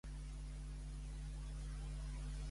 Els torrons són la millor part d'aquestes festes.